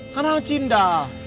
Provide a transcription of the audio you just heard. karena hang cinda